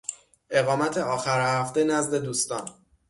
اقامت آخر هفته نزد دوستان